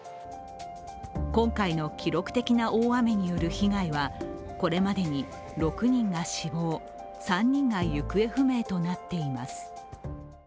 今回の記録的な大雨による被害はこれまでに６人が死亡、３人が行方不明となっています。